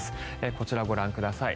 こちら、ご覧ください。